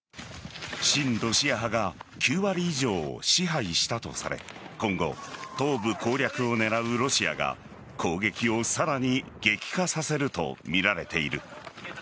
親ロシア派が９割以上を支配したとされ今後、東部攻略を狙うロシアが攻撃をさらに激化させるとみられている。